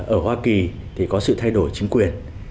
ở hoa kỳ thì có sự thay đổi chính quyền